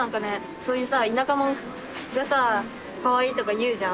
そういうさぁ田舎もんがさぁかわいいとか言うじゃん？